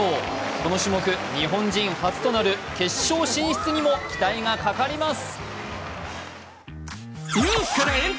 この種目、日本人初となる決勝進出にも期待がかかります。